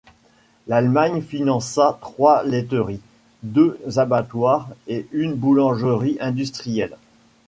L'Allemagne finança trois laiteries, deux abattoirs et une boulangerie industrielle.